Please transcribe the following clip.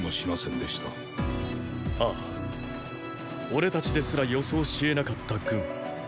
俺たちですら予想しえなかった軍。